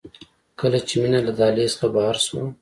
کله چې مينه له دهلېز څخه بهر شوه.